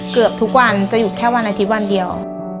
เกือบทุกวันจะหยุดแค่วันอาทิตย์วันเดียว